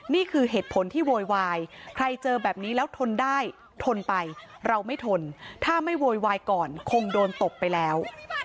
นี่คือเหตุผลที่โวยวายใครเจอแบบนี้แล้วทนได้ทนไปเราไม่ทนถ้าไม่โวยวายก่อนคงโดนตบไปแล้ว